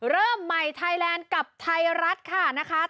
เริ่มใหม่ไทยแลนด์กับไทยรัฐค่ะนะคะ